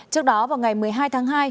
trước đó vào ngày một mươi hai tháng hai